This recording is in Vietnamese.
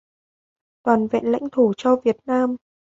toàn vẹn lãnh thổ cho Việt Nam